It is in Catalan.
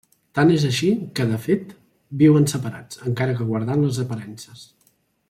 Tant és així que, de fet, viuen separats, encara que guardant les aparences.